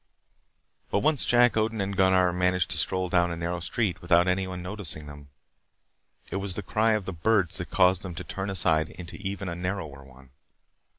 But once Jack Odin and Gunnar managed to stroll down a narrow street without anyone noticing them. It was the cry of the birds that caused them to turn aside into even a narrower one.